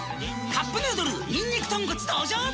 「カップヌードルにんにく豚骨」登場！